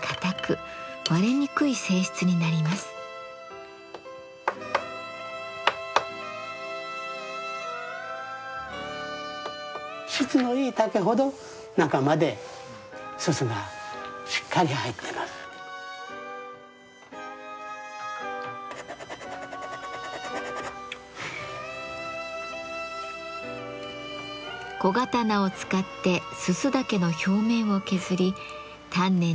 小刀を使って煤竹の表面を削り丹念に穴を開けていきます。